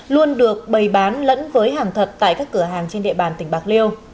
luôn được bày bán lẫn với hàng thật tại các cửa hàng trên địa bàn tỉnh bạc liêu